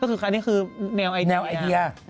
ก็คือคราวนี้คือแนวไอเดีย